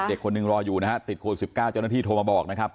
เด็กคนหนึ่งรออยู่นะฮะติดโควิด๑๙เจ้าหน้าที่โทรมาบอกนะครับ